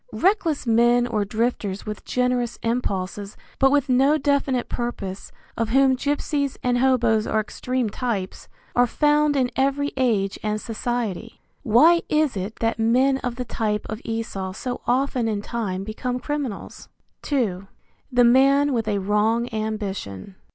Reckless men or drifters with generous impulses but with no definite purpose, of whom gypsies and hoboes are extreme types, are found in every age and society. Why is it that men of the type of Esau so often in time become criminals? II. THE MAN WITH A WRONG AMBITION.